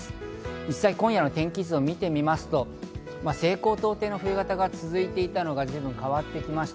実際、今夜の天気図を見てみますと、西高東低の冬型が続いていたのが変わってきました。